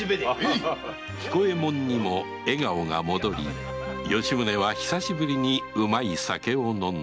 彦右衛門にも笑顔が戻り吉宗は久しぶりにうまい酒を飲んだ